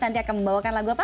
nanti akan membawakan lagu apa